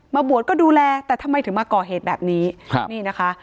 บวชก็ดูแลแต่ทำไมถึงมาก่อเหตุแบบนี้ครับนี่นะคะ